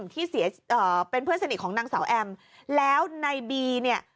ที่เสียเอ่อเป็นเพื่อนสนิทของนางสาวแอมแล้วในบีเนี่ย